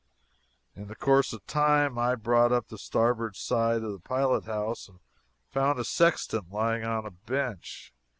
In the course of time I brought up on the starboard side of the pilot house and found a sextant lying on a bench.